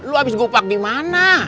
lo abis gopak dimana